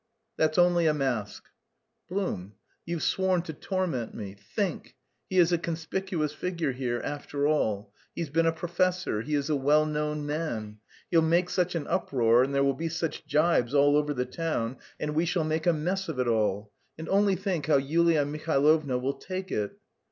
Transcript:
"That's only a mask." "Blum, you've sworn to torment me! Think! he is a conspicuous figure here, after all. He's been a professor, he is a well known man. He'll make such an uproar and there will be such gibes all over the town, and we shall make a mess of it all.... And only think how Yulia Mihailovna will take it."